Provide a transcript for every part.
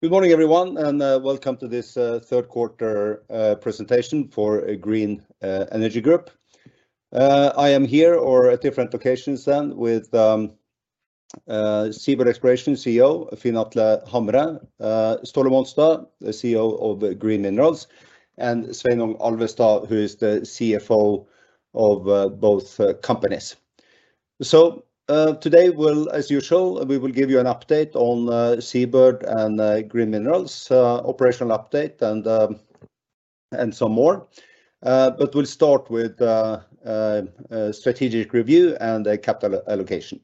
Good morning everyone, and welcome to this Q3 presentation for Green Energy Group. I am here or at different locations then with SeaBird Exploration CEO Finn Atle Hamre, Ståle Monstad, the CEO of Green Minerals, and Sveinung Alvestad, who is the CFO of both companies. Today, as usual, we will give you an update on SeaBird and Green Minerals, operational update and some more. We'll start with strategic review and capital allocation.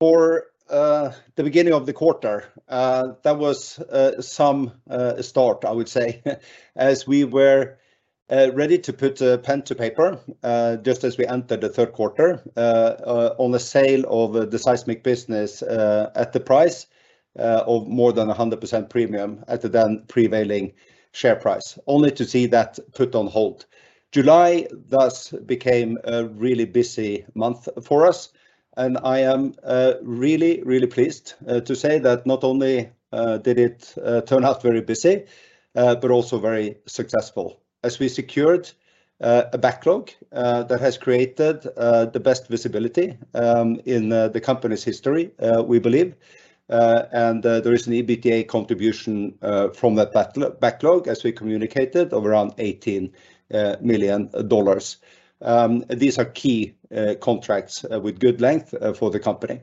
For the beginning of the quarter, that was some start, I would say, as we were ready to put pen to paper just as we entered the Q3 on the sale of the seismic business at the price of more than 100% premium at the then prevailing share price, only to see that put on hold. July thus became a really busy month for us, and I am really pleased to say that not only did it turn out very busy, but also very successful as we secured a backlog that has created the best visibility in the company's history, we believe. There is an EBITDA contribution from that backlog, as we communicated, of around $18 million. These are key contracts with good length for the company.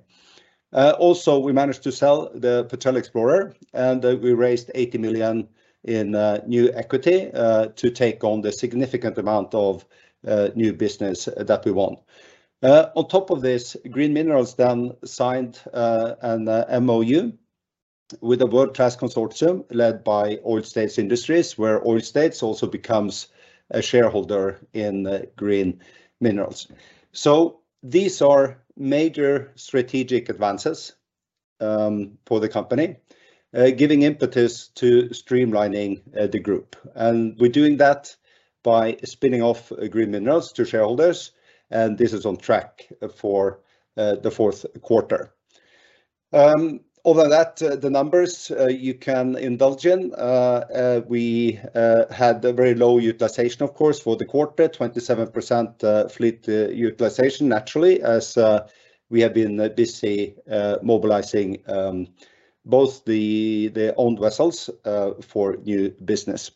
Also, we managed to sell the Petrel Explorer, and we raised $80 million in new equity to take on the significant amount of new business that we won. On top of this, Green Minerals then signed an MOU with a world-class consortium led by Oil States Industries, where Oil States also becomes a shareholder in Green Minerals. These are major strategic advances for the company, giving impetus to streamlining the group. We're doing that by spinning off Green Minerals to shareholders, and this is on track for the Q4. Other than that, the numbers you can indulge in, we had a very low utilization, of course, for the quarter, 27% fleet utilization naturally, as we have been busy mobilizing both the owned vessels for new business.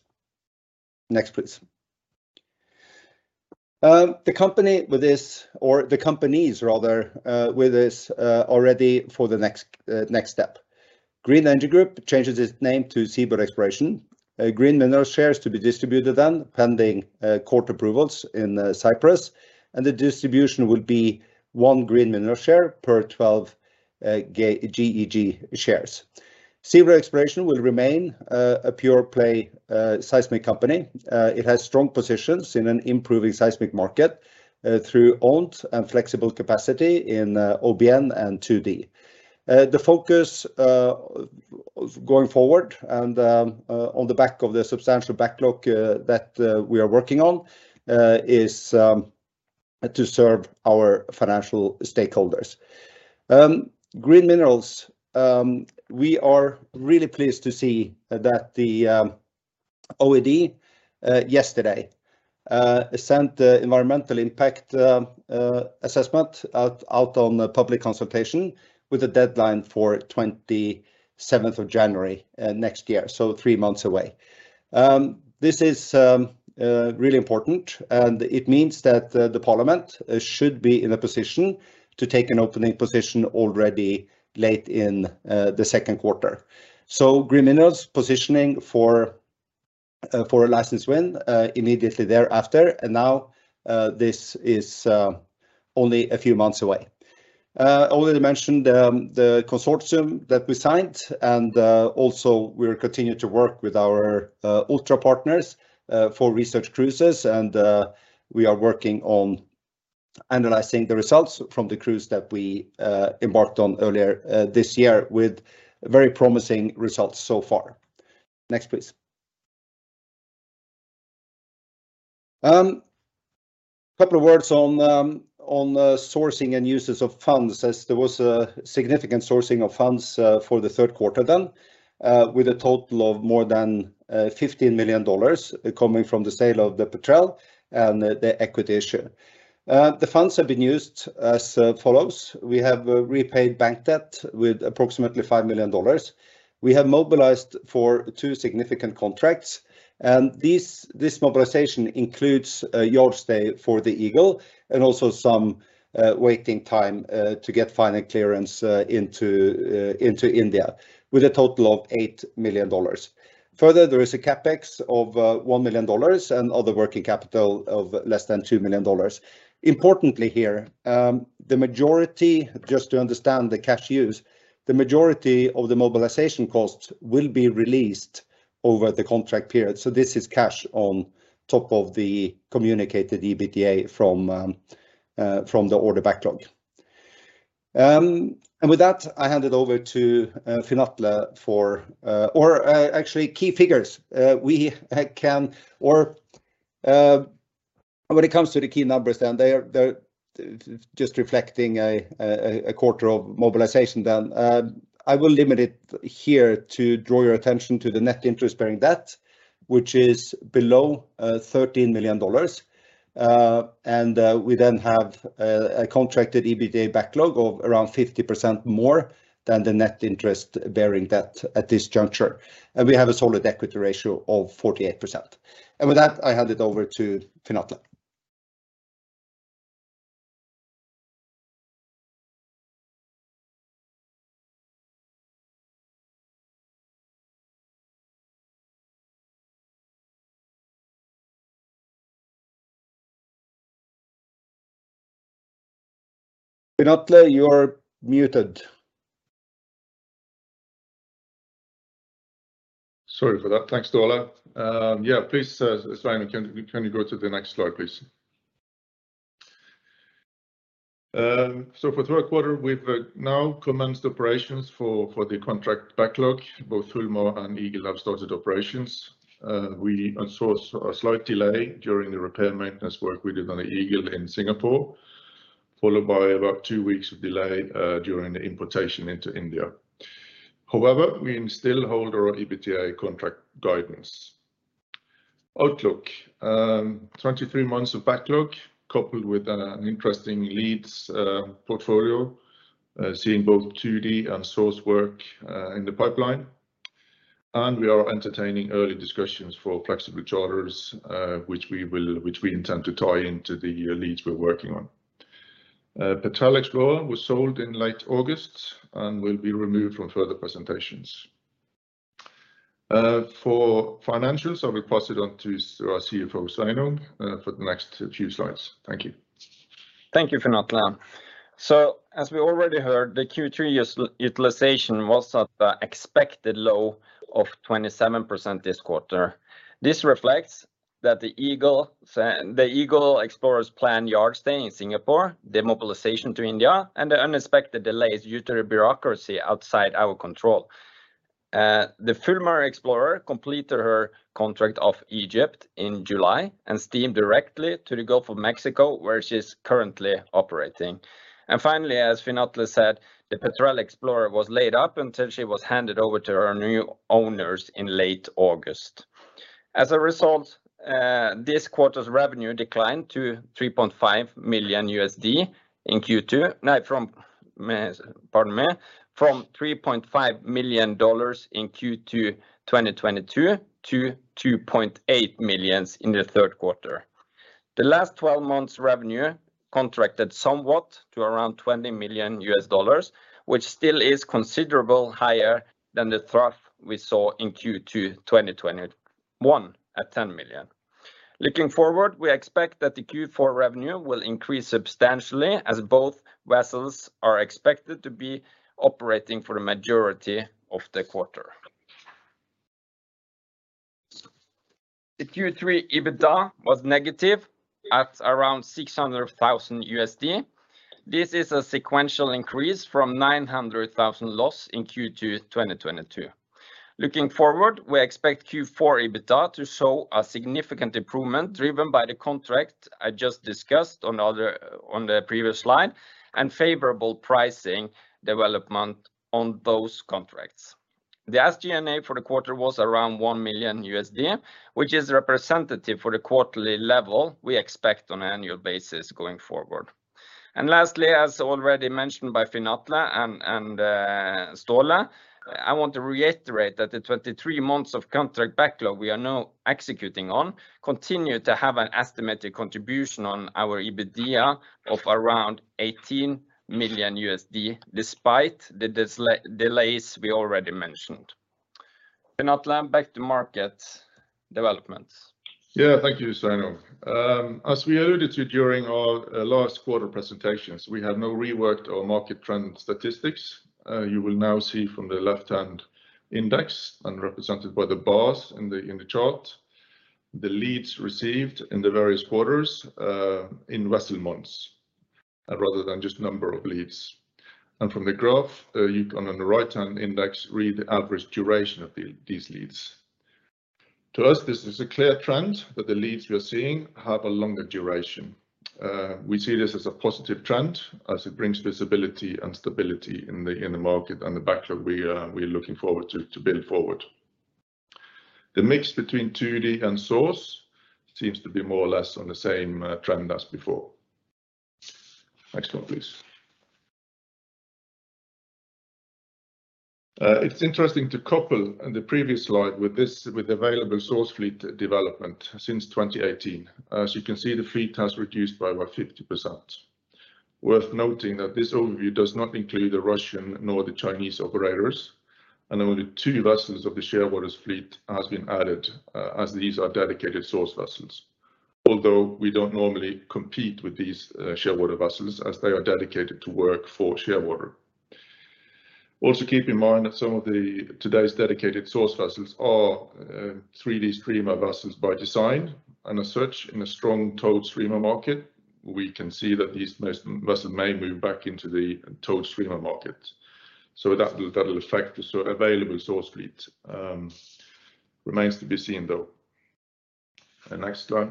Next, please. The company with this, or the companies rather, with this, are ready for the next step. Green Energy Group changes its name to SeaBird Exploration. Green Minerals shares to be distributed then, pending court approvals in Cyprus, and the distribution will be one Green Minerals share per 12 GEG shares. SeaBird Exploration will remain a pure play seismic company. It has strong positions in an improving seismic market through owned and flexible capacity in OBN and 2D. The focus going forward and on the back of the substantial backlog that we are working on is to serve our financial stakeholders. Green Minerals, we are really pleased to see that the OED yesterday sent the environmental impact assessment out on a public consultation with a deadline for 27th of January next year, so three months away. This is really important, and it means that the parliament should be in a position to take an opening position already late in the Q2. Green Minerals positioning for a license win immediately thereafter, and now this is only a few months away. Already mentioned the consortium that we signed, and also we'll continue to work with our Ultra partners for research cruises and we are working on analyzing the results from the cruise that we embarked on earlier this year with very promising results so far. Next, please. Couple of words on sourcing and uses of funds as there was a significant sourcing of funds for the Q3 then with a total of more than $15 million coming from the sale of the Petrel and the equity issue. The funds have been used as follows. We have repaid bank debt with approximately $5 million. We have mobilized for two significant contracts. This mobilization includes a yard stay for the Eagle and also some waiting time to get final clearance into India with a total of $8 million. Further, there is a CapEx of $1 million and other working capital of less than $2 million. Importantly here, the majority, just to understand the cash use, of the mobilization costs will be released over the contract period. This is cash on top of the communicated EBITDA from the order backlog. With that, I hand it over to Finn Atle for, or, actually key figures. When it comes to the key numbers then they are, they're just reflecting a quarter of mobilization then. I will limit it here to draw your attention to the net interest bearing debt, which is below $13 million. We then have a contracted EBITDA backlog of around 50% more than the net interest bearing debt at this juncture. We have a solid equity ratio of 48%. With that, I hand it over to Finn Atle Hamre. Finn Atle Hamre, you are muted. Sorry for that. Thanks, Ståle. Yeah, please, Sveinung, can you go to the next slide, please? For Q3, we've now commenced operations for the contract backlog. Both Fulmar and Eagle have started operations. We had a slight delay during the repair maintenance work we did on the Eagle in Singapore, followed by about two weeks of delay during the importation into India. However, we still hold our EBITDA contract guidance outlook. 23 months of backlog coupled with an interesting leads portfolio, seeing both 2D and source work in the pipeline, and we are entertaining early discussions for flexible charters, which we intend to tie into the leads we're working on. Petrel Explorer was sold in late August and will be removed from further presentations. For financials, I will pass it on to our CFO, Sveinung, for the next few slides. Thank you. Thank you, Finn Atle. As we already heard, the Q3 utilization was at the expected low of 27% this quarter. This reflects that the Eagle Explorer's planned yard stay in Singapore, the mobilization to India, and the unexpected delays due to the bureaucracy outside our control. The Fulmar Explorer completed her contract off Egypt in July and steamed directly to the Gulf of Mexico, where she's currently operating. Finally, as Finn Atle said, the Petrel Explorer was laid up until she was handed over to her new owners in late August. As a result, this quarter's revenue declined from $3.5 million in Q2 2022 to $2.8 million in the Q3. The last 12 months revenue contracted somewhat to around $20 million, which still is considerable higher than the trough we saw in Q2 2021 at $10 million. Looking forward, we expect that the Q4 revenue will increase substantially as both vessels are expected to be operating for the majority of the quarter. The Q3 EBITDA was negative at around $600,000. This is a sequential increase from $900,000 loss in Q2 2022. Looking forward, we expect Q4 EBITDA to show a significant improvement driven by the contract I just discussed on the previous slide and favorable pricing development on those contracts. The SG&A for the quarter was around $1 million, which is representative for the quarterly level we expect on an annual basis going forward. Lastly, as already mentioned by Finn Atle and Ståle, I want to reiterate that the 23 months of contract backlog we are now executing on continue to have an estimated contribution on our EBITDA of around $18 million despite the delays we already mentioned. Finn Atle, back to market developments. Yeah. Thank you, Sveinung. As we alluded to during our last quarter presentations, we have now reworked our market trend statistics. You will now see from the left-hand index and represented by the bars in the chart the leads received in the various quarters, in vessel months, rather than just number of leads. From the graph, you can on the right-hand index read the average duration of these leads. To us, this is a clear trend that the leads we are seeing have a longer duration. We see this as a positive trend as it brings visibility and stability in the market and the backlog we're looking forward to build forward. The mix between 2D and source seems to be more or less on the same trend as before. Next one, please. It's interesting to couple the previous slide with this, with available source fleet development since 2018. As you can see, the fleet has reduced by about 50%. Worth noting that this overview does not include the Russian nor the Chinese operators, and only two vessels of the Shearwater fleet has been added, as these are dedicated source vessels. Although we don't normally compete with these, Shearwater vessels as they are dedicated to work for Shearwater customers. Also keep in mind that some of today's dedicated source vessels are, 3D streamer vessels by design, and as such, in a strong towed streamer market, we can see that these most vessels may move back into the towed streamer market. So that will affect the so available source fleet. Remains to be seen, though. Next slide.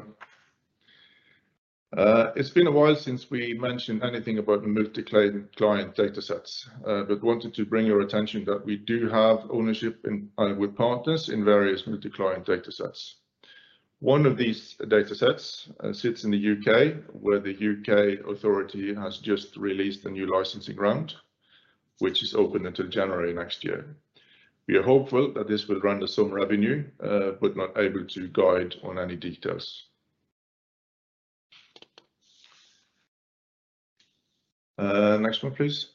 It's been a while since we mentioned anything about multi-client, client data sets, but wanted to bring your attention that we do have ownership in, with partners in various multi-client data sets. One of these data sets sits in the U.K., where the U.K. authority has just released a new licensing round, which is open until January next year. We are hopeful that this will render some revenue, but not able to guide on any details. Next one, please.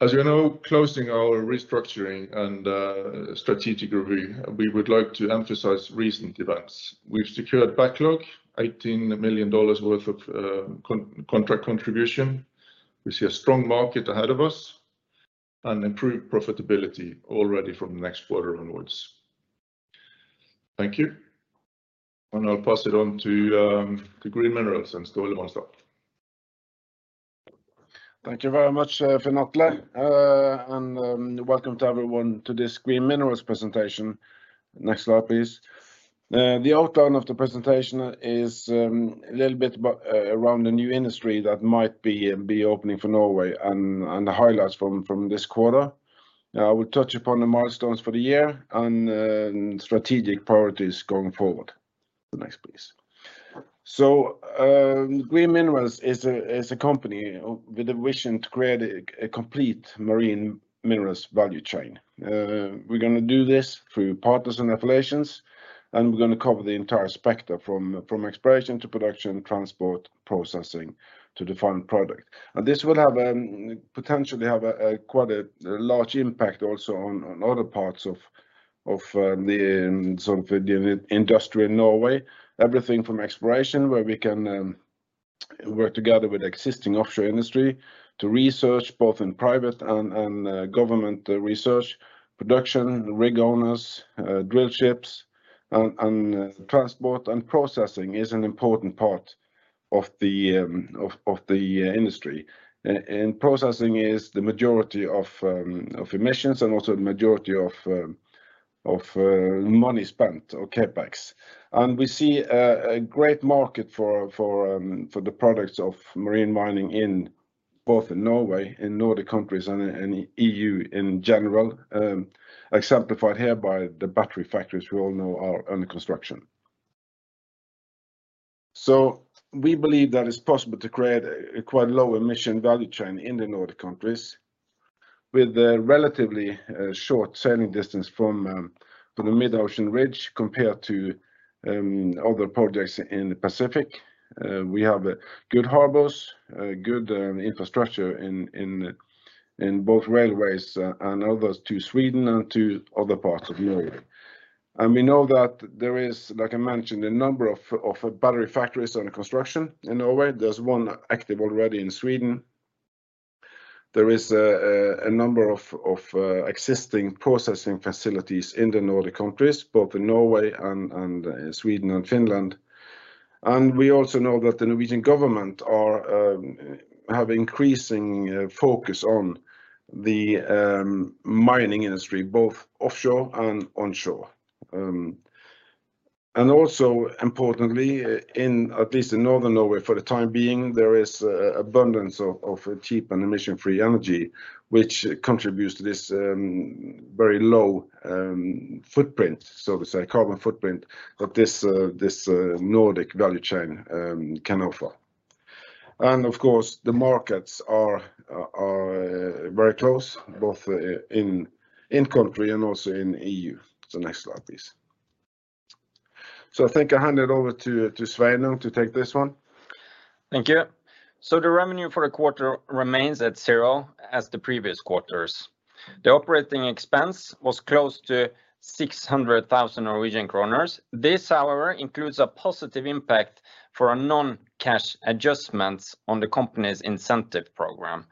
As you know, closing our restructuring and strategic review, we would like to emphasize recent events. We've secured backlog, $18 million worth of contract contribution. We see a strong market ahead of us and improved profitability already from the next quarter onwards. Thank you. I'll pass it on to Green Minerals and Ståle Monstad. Thank you very much, for that. Welcome to everyone to this Green Minerals presentation. Next slide, please. The outline of the presentation is a little bit about around the new industry that might be opening for Norway and the highlights from this quarter. I will touch upon the milestones for the year and strategic priorities going forward. Next, please. Green Minerals is a company with a vision to create a complete marine minerals value chain. We're gonna do this through partners and affiliations, and we're gonna cover the entire spectrum from exploration to production, transport, processing to the final product. This will have potentially a quite a large impact also on other parts of the some of the industry in Norway. Everything from exploration, where we can work together with existing offshore industry to research both in private and government research, production, rig owners, drill ships and transport and processing is an important part of the industry. Processing is the majority of emissions and also the majority of money spent or CapEx. We see a great market for the products of marine mining in both Norway and Nordic countries and EU in general, exemplified here by the battery factories we all know are under construction. We believe that it's possible to create a quite low emission value chain in the Nordic countries with a relatively short sailing distance from the mid-ocean ridge compared to other projects in the Pacific. We have good harbors, good infrastructure in both railways and others to Sweden and to other parts of Norway. We know that there is, like I mentioned, a number of battery factories under construction in Norway. There's one active already in Sweden. There is a number of existing processing facilities in the Nordic countries, both in Norway and Sweden and Finland. We also know that the Norwegian government have increasing focus on the mining industry, both offshore and onshore. Also importantly, in at least northern Norway for the time being, there is abundance of cheap and emission-free energy which contributes to this very low footprint, so to say, carbon footprint, that this Nordic value chain can offer. Of course, the markets are very close, both in country and also in EU. Next slide, please. I think I hand it over to Sveinung to take this one. Thank you. The revenue for the quarter remains at zero as the previous quarters. The operating expense was close to 600,000 Norwegian kroner. This, however, includes a positive impact for a non-cash adjustment on the company's incentive program.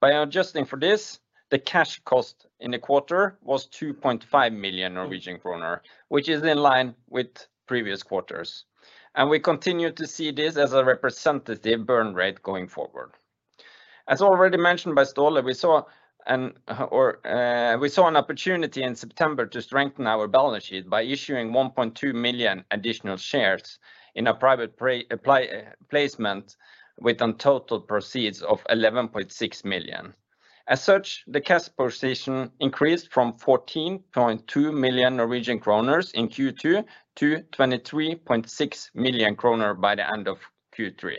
By adjusting for this, the cash cost in the quarter was 2.5 million Norwegian kroner, which is in line with previous quarters. We continue to see this as a representative burn rate going forward. As already mentioned by Ståle, we saw an opportunity in September to strengthen our balance sheet by issuing 1.2 million additional shares in a private placement with total proceeds of 11.6 million. As such, the cash position increased from 14.2 million Norwegian kroner in Q2 to 23.6 million kroner by the end of Q3,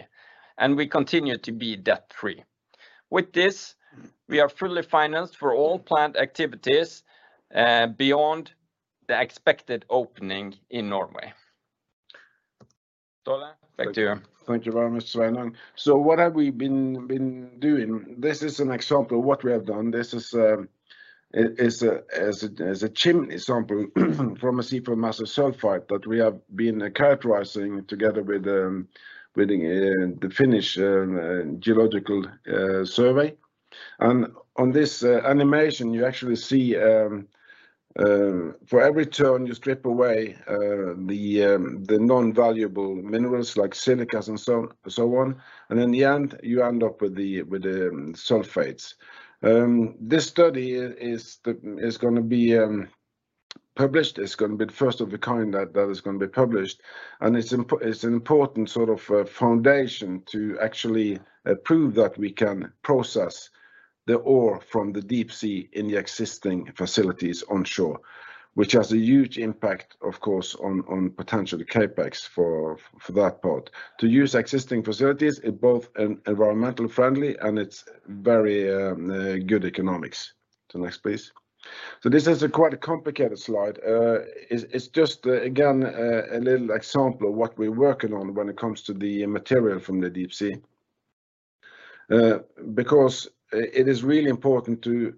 and we continue to be debt-free. With this, we are fully financed for all planned activities, beyond the expected opening in Norway. Ståle, back to you. Thank you very much, Sveinung. What have we been doing? This is an example of what we have done. This is a chimney sample from a seafloor massive sulfide that we have been characterizing together with the Geological Survey of Finland. On this animation you actually see for every turn you strip away the non-valuable minerals like silica and so on, and in the end you end up with the sulfides. This study is gonna be published, it's gonna be the first of a kind that is gonna be published, and it's an important sort of foundation to actually prove that we can process the ore from the deep sea in the existing facilities on shore. Which has a huge impact of course on potential CapEx for that part. To use existing facilities, it's both environmentally friendly and it's very good economics. To the next please. This is quite a complicated slide. It's just again a little example of what we're working on when it comes to the material from the deep sea. Because it is really important to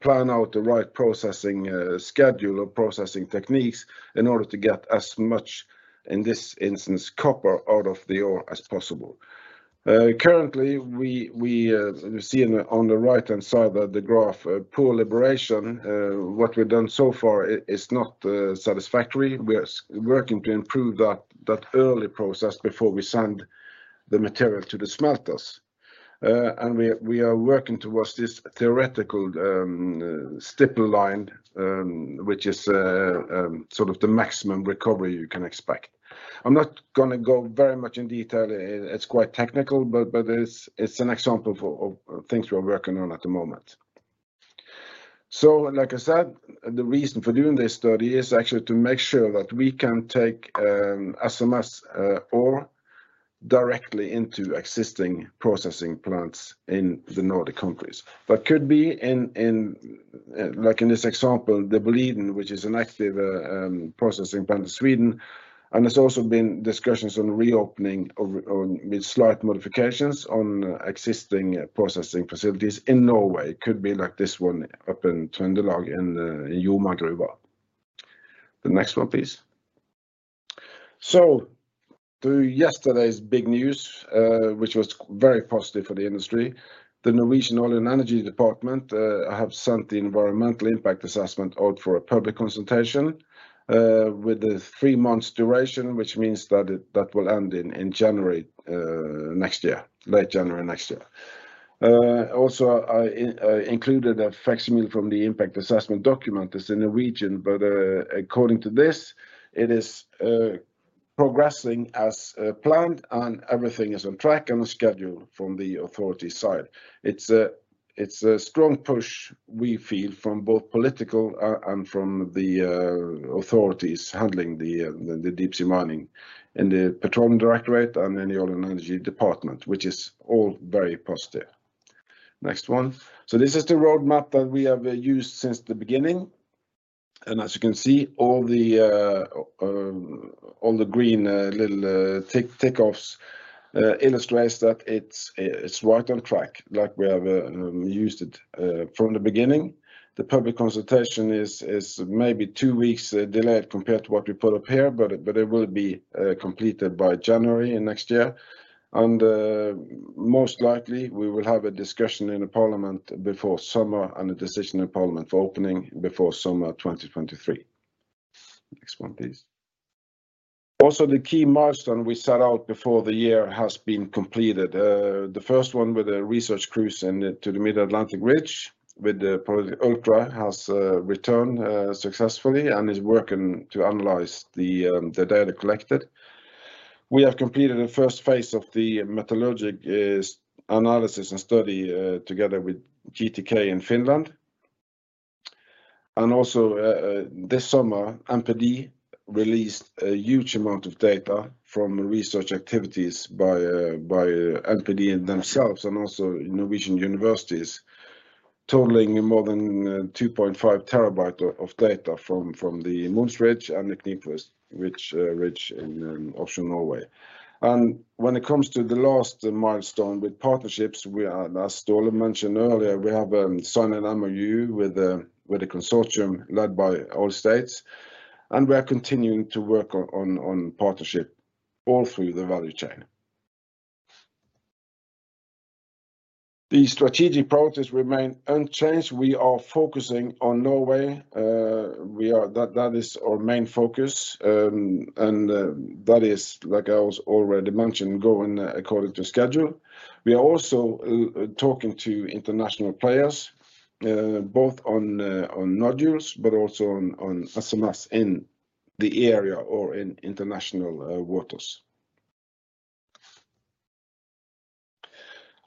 plan out the right processing schedule of processing techniques in order to get as much, in this instance, copper out of the ore as possible. Currently we see on the right-hand side that the graph, poor liberation, what we've done so far is not satisfactory. We are working to improve that early process before we send the material to the smelters. We are working towards this theoretical stipple line, which is sort of the maximum recovery you can expect. I'm not gonna go very much in detail. It's quite technical but it's an example of things we are working on at the moment. Like I said, the reason for doing this study is actually to make sure that we can take SMS ore directly into existing processing plants in the Nordic countries. It could be in, like in this example, the Boliden, which is an active processing plant in Sweden, and there's also been discussions on reopening, with slight modifications on existing processing facilities in Norway. Could be like this one up in Trøndelag in Joma Gruver. The next one please. Through yesterday's big news, which was very positive for the industry, the Ministry of Petroleum and Energy have sent the environmental impact assessment out for a public consultation with a three-month duration, which means that it will end in January next year. Late January next year. Also I included a facsimile from the impact assessment document that's in the region, but according to this it is progressing as planned and everything is on track and on schedule from the authority side. It's a strong push we feel from both political and from the authorities handling the deep-sea mining. The Norwegian Petroleum Directorate and the Ministry of Petroleum and Energy, which is all very positive. Next one. This is the roadmap that we have used since the beginning. As you can see, all the green little tick offs illustrates that it's right on track like we have used it from the beginning. The public consultation is maybe two weeks delayed compared to what we put up here, but it will be completed by January next year. Most likely we will have a discussion in the parliament before summer, and the decision in parliament for opening before summer 2023. Next one please. Also, the key milestone we set out before the year has been completed. The first one with a research cruise to the Mid-Atlantic Ridge with the Project Ultra has returned successfully and is working to analyze the data collected. We have completed the first phase of the metallurgical analysis and study together with GTK in Finland. This summer NPD released a huge amount of data from research activities by NPD themselves and also in Norwegian universities, totaling more than 2.5 TB of data from the Mohns Ridge and the Knipovich Ridge in offshore Norway. When it comes to the last milestone with partnerships we are, as Ståle mentioned earlier, we have signed an MOU with a consortium led by Oil States, and we are continuing to work on partnership all through the value chain. The strategic priorities remain unchanged. We are focusing on Norway. That is our main focus. That is, like I was already mentioned, going according to schedule. We are also talking to international players, both on nodules but also on SMS in the area or in international waters.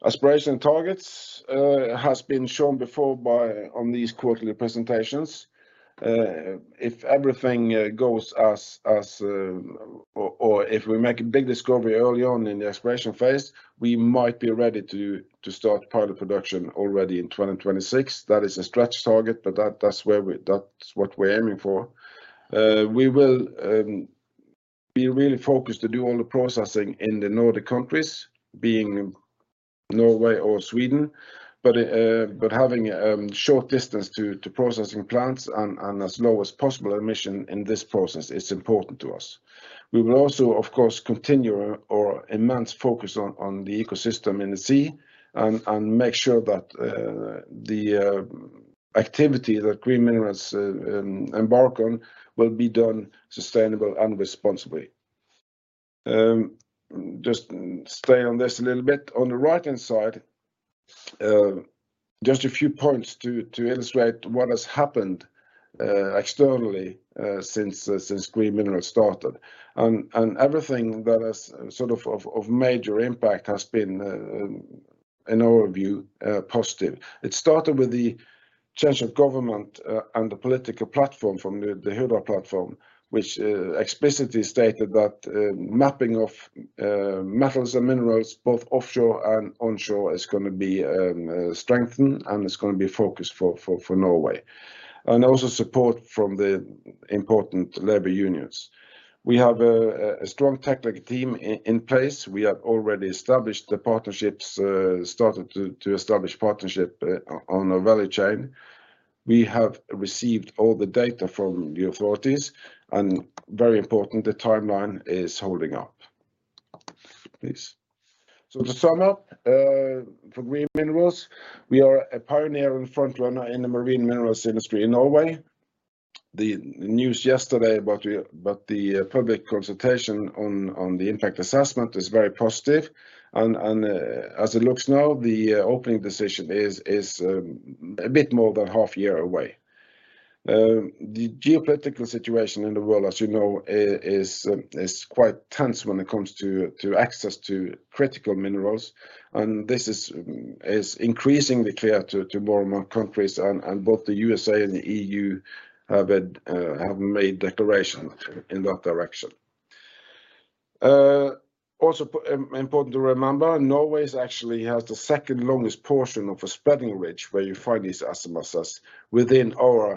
Aspiration targets has been shown before by on these quarterly presentations. If everything goes as or if we make a big discovery early on in the exploration phase, we might be ready to start pilot production already in 2026. That is a stretch target but that's what we're aiming for. We will be really focused to do all the processing in the Nordic countries, being Norway or Sweden. Having short distance to processing plants and as low as possible emission in this process is important to us. We will also of course continue our immense focus on the ecosystem in the sea and make sure that the activity that Green Minerals embark on will be done sustainable and responsibly. Just stay on this a little bit. On the right-hand side, just a few points to illustrate what has happened externally since Green Minerals started. Everything that has sort of of major impact has been in our view positive. It started with the change of government and the political platform from the Hurdal Platform, which explicitly stated that mapping of metals and minerals, both offshore and onshore, is gonna be strengthened, and it's gonna be focused for Norway. Also support from the important labor unions. We have a strong technical team in place. We have already established the partnerships, started to establish partnership on our value chain. We have received all the data from the authorities, and very important, the timeline is holding up. Please. To sum up, for Green Minerals, we are a pioneer and front runner in the marine minerals industry in Norway. The news yesterday about the public consultation on the impact assessment is very positive and, as it looks now, the opening decision is a bit more than half year away. The geopolitical situation in the world, as you know, is quite tense when it comes to access to critical minerals, and this is increasingly clear to more and more countries. Both the USA and the EU have made declaration in that direction. Also important to remember, Norway is actually has the second longest portion of a spreading ridge where you find these ophiolites within our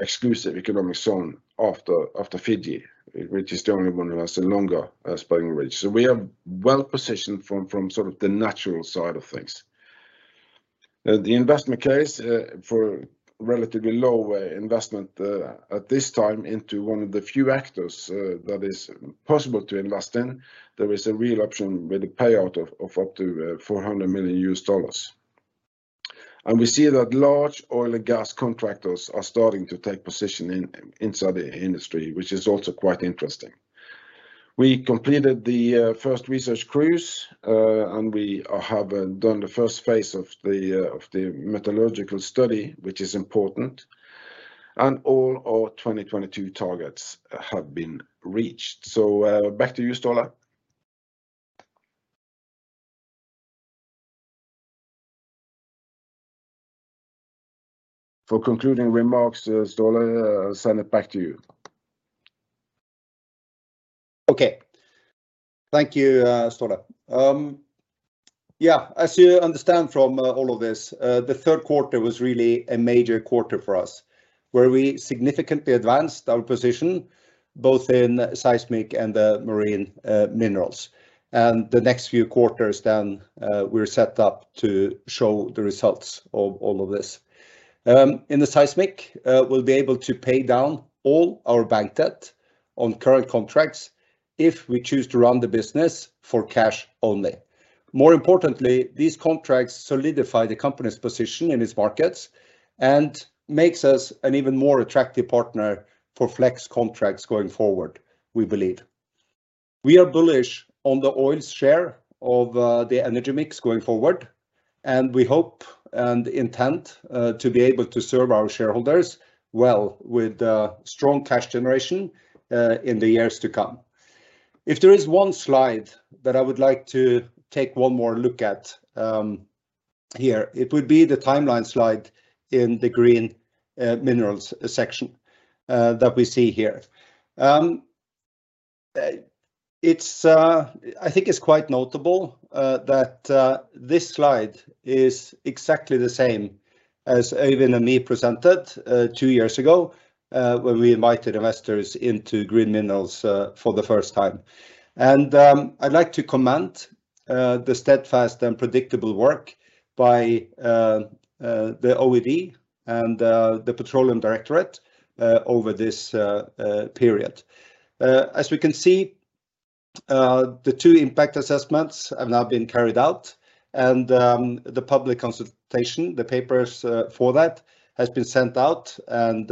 exclusive economic zone after Fiji, which is the only one who has a longer spreading ridge. We are well-positioned from sort of the natural side of things. The investment case for relatively low investment at this time into one of the few actors that is possible to invest in. There is a real option with the payout of up to $400 million. We see that large oil and gas contractors are starting to take position in the industry, which is also quite interesting. We completed the first research cruise, and we have done the first phase of the metallurgical study, which is important. All our 2022 targets have been reached. Back to you, Ståle. For concluding remarks, Ståle, I send it back to you. Okay. Thank you, Ståle. Yeah, as you understand from all of this, the Q3 was really a major quarter for us, where we significantly advanced our position, both in seismic and the marine minerals. The next few quarters then, we're set up to show the results of all of this. In the seismic, we'll be able to pay down all our bank debt on current contracts if we choose to run the business for cash only. More importantly, these contracts solidify the company's position in its markets and makes us an even more attractive partner for flex contracts going forward, we believe. We are bullish on the oil share of the energy mix going forward, and we hope and intend to be able to serve our shareholders well with strong cash generation in the years to come. If there is one slide that I would like to take one more look at here, it would be the timeline slide in the Green Minerals section that we see here. It's, I think it's quite notable that this slide is exactly the same as Øyvind and me presented two years ago when we invited investors into Green Minerals for the first time. I'd like to commend the steadfast and predictable work by the OED and the Norwegian Petroleum Directorate over this period. As we can see, the two impact assessments have now been carried out and the public consultation, the papers for that, has been sent out and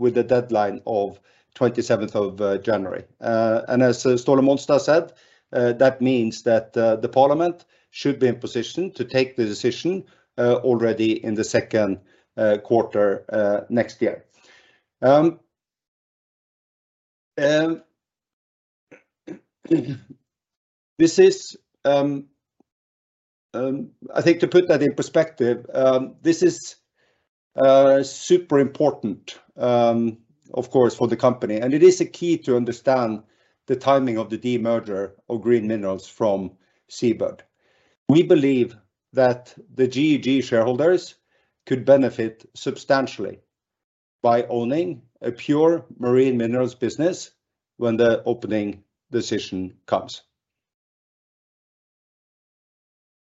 with the deadline of 27th of January. As Ståle Monstad said, that means that the Parliament should be in position to take the decision already in the Q2 next year. This is, I think, to put that in perspective, super important, of course, for the company, and it is a key to understand the timing of the demerger of Green Minerals from SeaBird. We believe that the GEG shareholders could benefit substantially by owning a pure marine minerals business when the opening decision comes.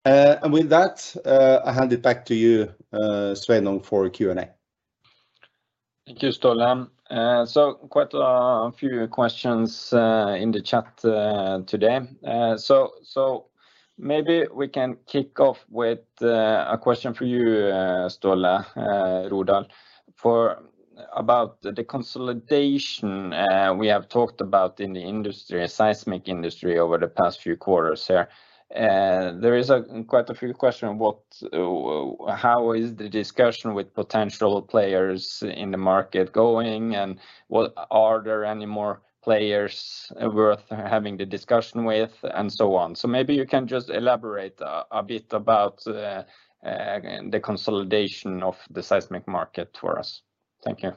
With that, I hand it back to you, Sveinung, for Q&A. Thank you, Ståle. Quite a few questions in the chat today. Maybe we can kick off with a question for you, Ståle Rodahl, about the consolidation we have talked about in the seismic industry over the past few quarters here. There are quite a few questions. How is the discussion with potential players in the market going? Are there any more players worth having the discussion with and so on? Maybe you can just elaborate a bit about the consolidation of the seismic market for us. Thank you.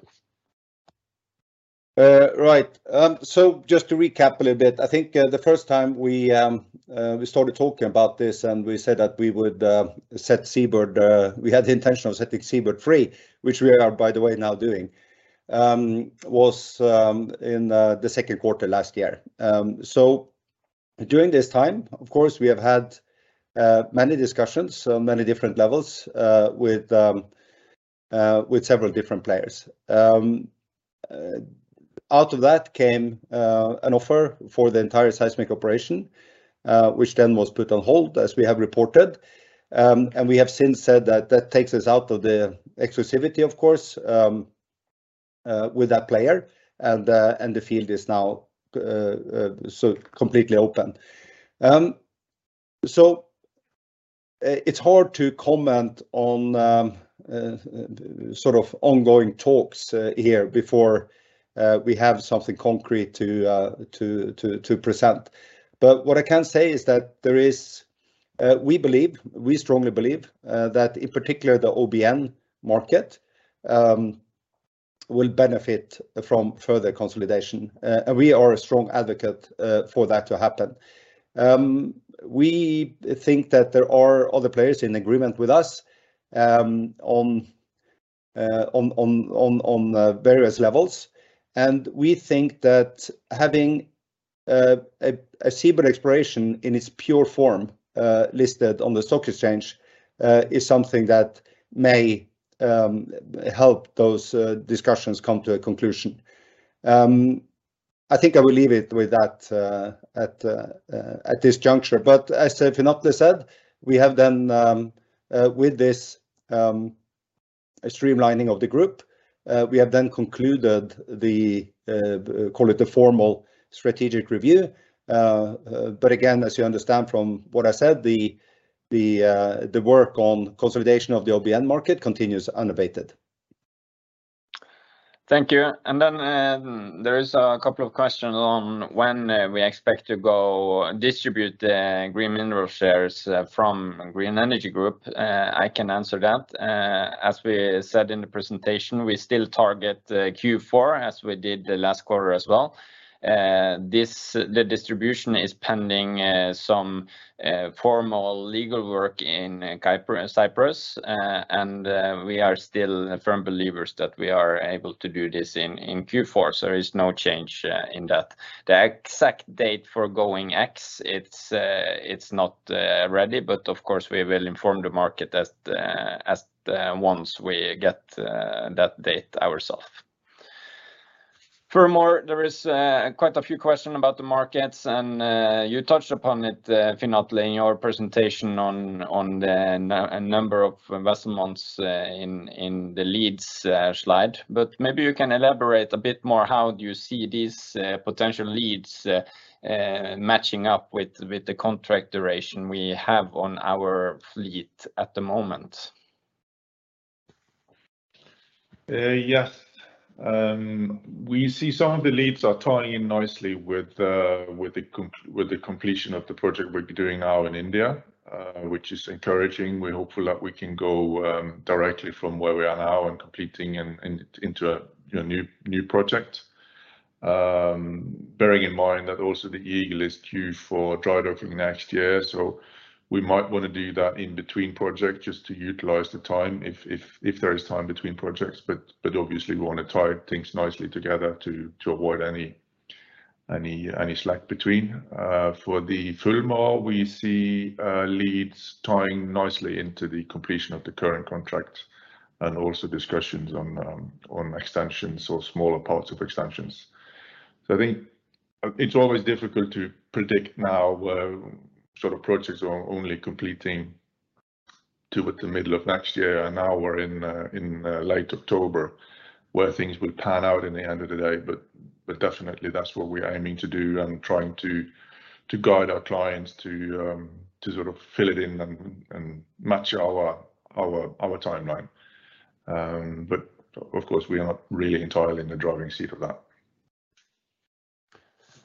Just to recap a little bit, I think, the first time we started talking about this, and we said that we would set SeaBird free, which we are, by the way, now doing, was in the Q2 last year. During this time, of course, we have had many discussions on many different levels with several different players. Out of that came an offer for the entire seismic operation, which then was put on hold, as we have reported. We have since said that that takes us out of the exclusivity, of course, with that player and the field is now so completely open. It's hard to comment on sort of ongoing talks here before we have something concrete to present. What I can say is that we believe, we strongly believe, that in particular the OBN market will benefit from further consolidation, and we are a strong advocate for that to happen. We think that there are other players in agreement with us on various levels. We think that having a SeaBird Exploration in its pure form listed on the stock exchange is something that may help those discussions come to a conclusion. I think I will leave it with that at this juncture. As Finn Atle said, we have then, with this streamlining of the group, we have then concluded the, call it the formal strategic review. Again, as you understand from what I said, the work on consolidation of the OBN market continues unabated. Thank you. There is a couple of questions on when we expect to go distribute the Green Minerals shares from Green Energy Group. I can answer that. As we said in the presentation, we still target Q4, as we did the last quarter as well. The distribution is pending some formal legal work in Cyprus. We are still firm believers that we are able to do this in Q4. There is no change in that. The exact date for going ex, it's not ready, but of course, we will inform the market as once we get that date ourselves. Furthermore, there is quite a few questions about the markets, and you touched upon it, Finn Atle, In your presentation on the number of investments in the leads matching up with the contract duration we have on our fleet at the moment. Yes. We see some of the leads are tying in nicely with the completion of the project we're doing now in India, which is encouraging. We're hopeful that we can go directly from where we are now and completing into a, you know, new project. Bearing in mind that also the Eagle is due for drydocking next year. We might want to do that in between projects just to utilize the time if there is time between projects. Obviously we want to tie things nicely together to avoid any slack between. For the Fulmar, we see leads tying nicely into the completion of the current contract and also discussions on extensions or smaller parts of extensions. I think it's always difficult to predict now, sort of projects are only completing to what the middle of next year, and now we're in late October, where things will pan out at the end of the day. But definitely that's what we're aiming to do and trying to guide our clients to sort of fill it in and match our timeline. But of course we are not really entirely in the driving seat of that.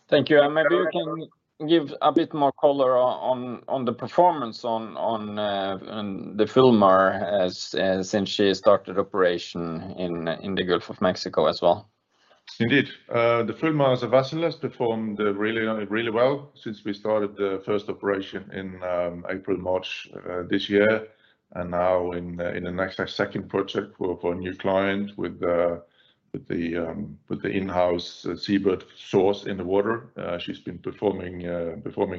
Thank you. Maybe you can give a bit more color on the performance on the Fulmar since she started operation in the Gulf of Mexico as well. Indeed. The Fulmar as a vessel has performed really well since we started the first operation in March this year, and now in the next second project for a new client with the in-house SeaBird source in the water. She's been performing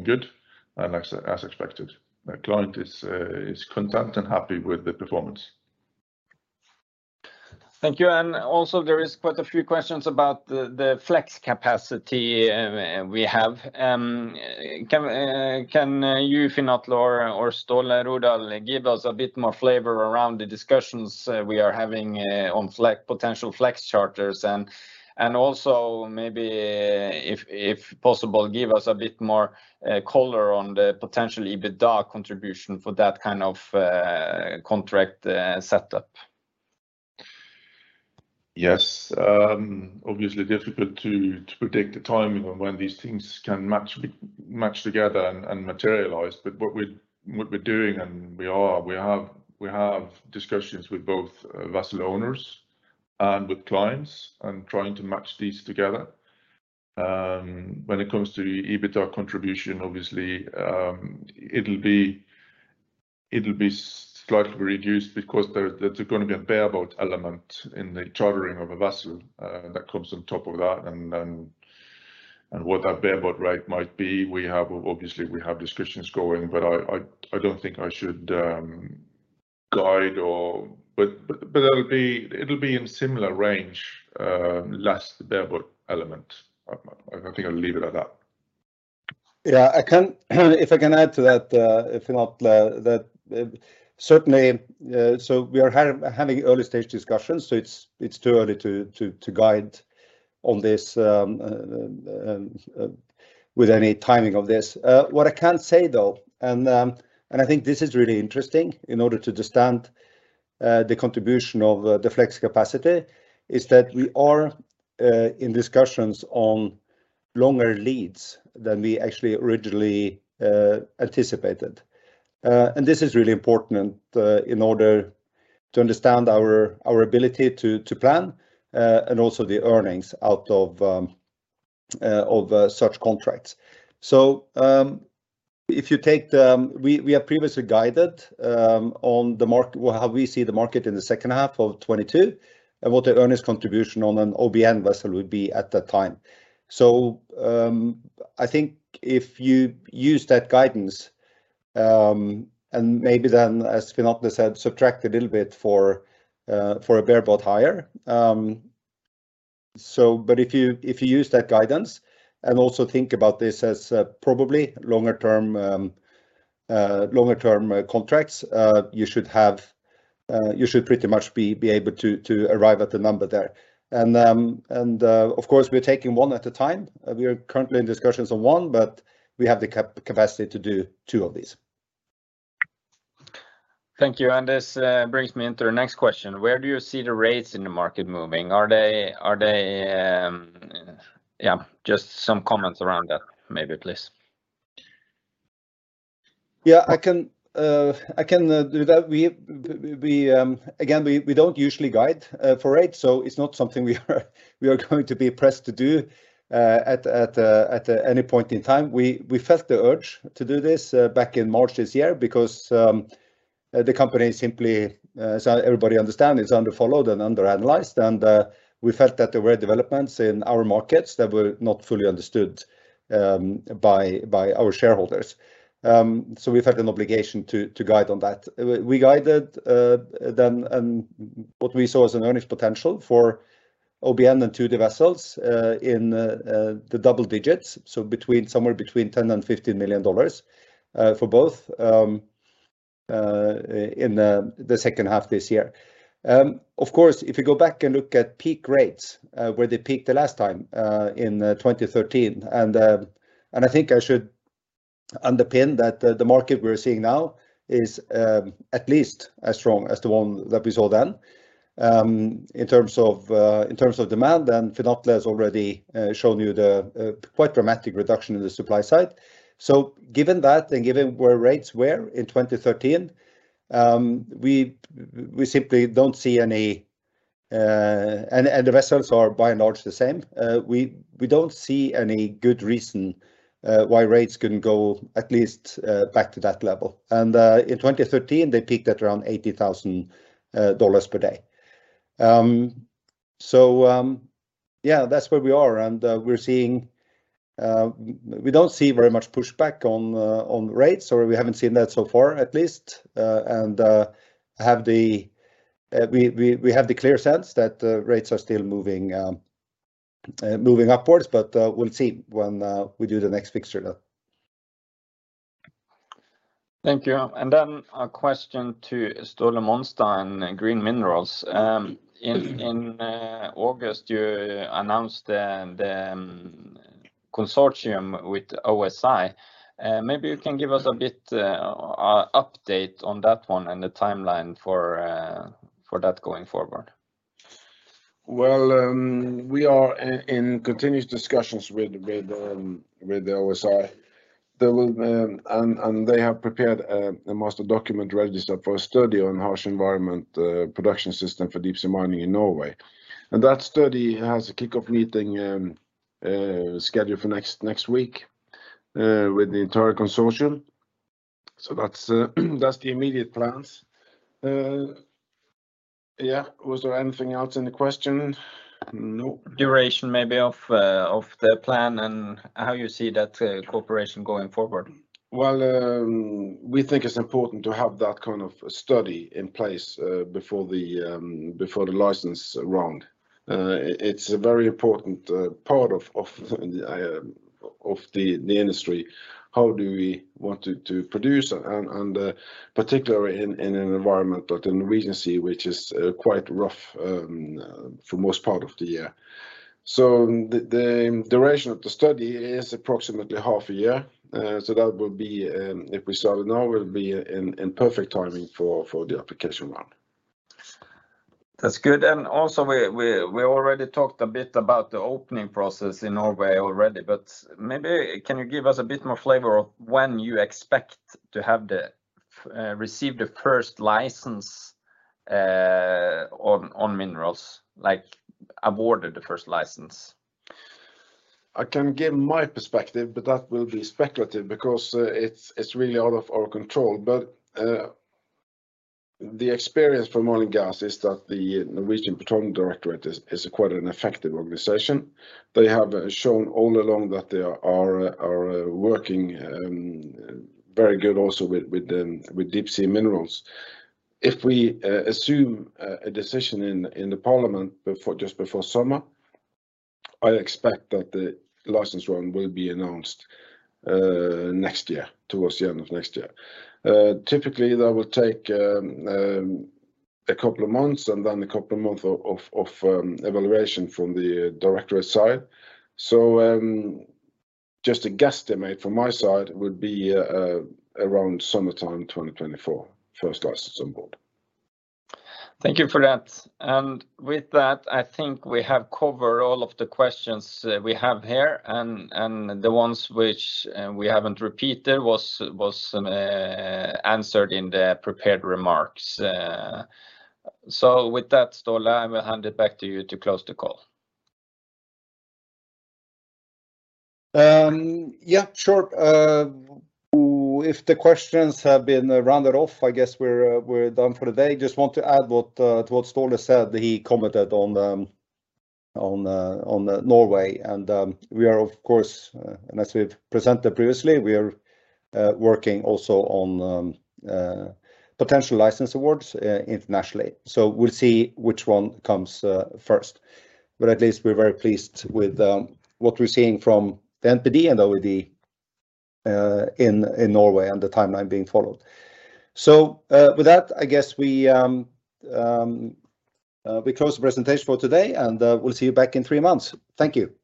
good and as expected. The client is content and happy with the performance. Thank you. Also there is quite a few questions about the flex capacity we have. Can you, Finn Atle Hamre or Ståle Rodahl, give us a bit more flavor around the discussions we are having on potential flex charters? Also maybe if possible, give us a bit more color on the potential EBITDA contribution for that kind of contract setup. Yes. Obviously difficult to predict the timing of when these things can match together and materialize. What we're doing, we have discussions with both vessel owners and with clients and trying to match these together. When it comes to EBITDA contribution, obviously, it'll be slightly reduced because there's gonna be a bareboat element in the chartering of a vessel that comes on top of that. What that bareboat rate might be, we obviously have discussions going, but I don't think I should. It'll be in similar range, less the bareboat element. I think I'll leave it at that. If I can add to that, Finn Atle, that certainly, so we are having early stage discussions, so it's too early to guide on this with any timing of this. What I can say though, and I think this is really interesting in order to understand the contribution of the flex capacity, is that we are in discussions on longer leads than we actually originally anticipated. This is really important in order to understand our ability to plan and also the earnings out of such contracts. If you take, we have previously guided on the market, well how we see the market in the H2 of 2022, and what the earnings contribution on an OBN vessel would be at that time. I think if you use that guidance, and maybe then, as Finn Atle said, subtract a little bit for a bareboat hire. But if you use that guidance and also think about this as probably longer term contracts, you should pretty much be able to arrive at the number there. Of course, we're taking one at a time. We are currently in discussions on one, but we have the capacity to do two of these. Thank you. This brings me into the next question. Where do you see the rates in the market moving? Are they? Yeah, just some comments around that maybe, please. Yeah, I can do that. Again, we don't usually guide for rates, so it's not something we are going to be pressed to do at any point in time. We felt the urge to do this back in March this year because the company simply, so everybody understand, is underfollowed and underanalyzed. We felt that there were developments in our markets that were not fully understood by our shareholders. We felt an obligation to guide on that. We guided then on what we saw as an earnings potential for OBN and 2D vessels in the double digits, so between somewhere between $10-$15 million for both in the H2 this year. Of course, if you go back and look at peak rates, where they peaked the last time, in 2013, and I think I should underpin that the market we're seeing now is at least as strong as the one that we saw then, in terms of demand. Finn Atle has already shown you the quite dramatic reduction in the supply side. Given that and given where rates were in 2013, we simply don't see any. The vessels are by and large the same. We don't see any good reason why rates couldn't go at least back to that level. In 2013, they peaked at around $80,000 per day. Yeah, that's where we are. We don't see very much pushback on rates, or we haven't seen that so far at least. We have the clear sense that rates are still moving upwards, but we'll see when we do the next fixture though. Thank you. A question to Ståle Monstad in Green Minerals. In August you announced the consortium with OSI. Maybe you can give us a bit update on that one and the timeline for that going forward. Well, we are in continuous discussions with the OSI. They have prepared a master document register for a study on harsh environment production system for deep sea mining in Norway. That study has a kickoff meeting scheduled for next week with the entire consortium. That's the immediate plans. Yeah. Was there anything else in the question? No. Duration maybe of the plan and how you see that cooperation going forward? Well, we think it's important to have that kind of study in place before the license round. It's a very important part of the industry. How do we want to produce, and particularly in an environment like the Norwegian Sea, which is quite rough for most part of the year. The duration of the study is approximately half a year. That will be, if we start now, in perfect timing for the application round. That's good. We already talked a bit about the opening process in Norway already, but maybe can you give us a bit more flavor of when you expect to receive the first license on minerals, like awarded the first license? I can give my perspective, but that will be speculative because it's really out of our control. The experience for MOL Norge is that the Norwegian Petroleum Directorate is quite an effective organization. They have shown all along that they are working very good also with deep sea minerals. If we assume a decision in the parliament before, just before summer, I expect that the license round will be announced next year, towards the end of next year. Typically, that will take a couple of months, and then a couple of months of evaluation from the directorate side. Just a guesstimate from my side would be around summertime 2024, first license on board. Thank you for that. With that, I think we have covered all of the questions we have here, and the ones which we haven't repeated was answered in the prepared remarks. With that, Ståle, I will hand it back to you to close the call. Yeah, sure. If the questions have been rounded off, I guess we're done for today. Just want to add to what Ståle said. He commented on Norway. We are of course, and as we've presented previously, we are working also on potential license awards internationally. We'll see which one comes first. At least we're very pleased with what we're seeing from the NPD and OED in Norway and the timeline being followed. With that, I guess we close the presentation for today, and we'll see you back in three months. Thank you.